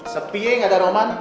sepi gak ada roman